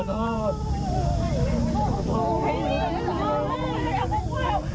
แม่หนูไม่อยากไปแม่หนูอยากอยู่กับแม่